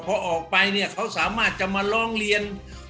พอออกไปเนี่ยเขาสามารถจะมาร้องเรียน